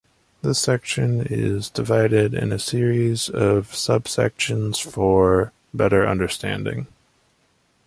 This section is divided in a series of sub-sections for better understanding.